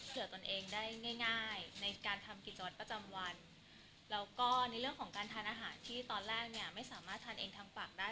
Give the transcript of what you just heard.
ตนเองได้ง่ายง่ายในการทำกิจวัตรประจำวันแล้วก็ในเรื่องของการทานอาหารที่ตอนแรกเนี่ยไม่สามารถทานเองทางปากได้